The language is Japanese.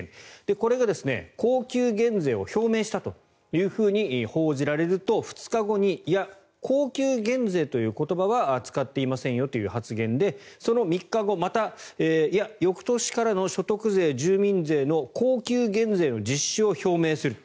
これが恒久減税を表明したと報じられると２日後にいや、恒久減税という言葉は使っていませんよという発言でその３日後、またいや、翌年からの所得税住民税からの恒久減税を実施すると表明。